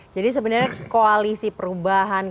jadi sebenarnya koalisi perubahan